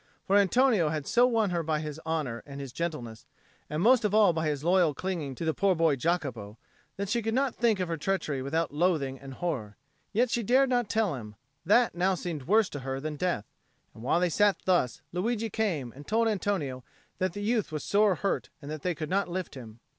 For Antonio had so won on her by his honour and his gentleness, and most of all by his loyal clinging to the poor boy Jacopo, that she could not think of her treachery without loathing and horror. Yet she dared not tell him; that now seemed worse to her than death. And while they sat thus, Luigi came and told Antonio that the youth was sore hurt and that they could not lift him.